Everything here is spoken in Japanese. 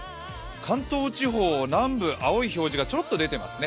関東地方、南部、青い表示がちょろっと出ていますね。